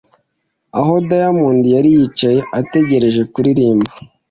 aho diamond yari yicaye ategereje kuririmba,